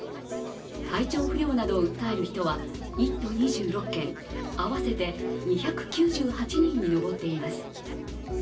体調不良などを訴える人は１都２６県、合わせて２９８人に上っています。